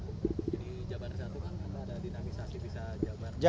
jadi jabar satu ada dinamisasi bisa jabar